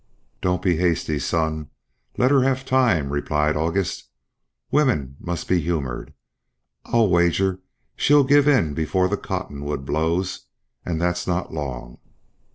"Don't be hasty, son. Let her have time," replied August. "Women must be humored. I'll wager she'll give in before the cottonwood blows, and that's not long."